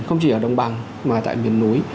không chỉ ở đồng bằng mà tại miền núi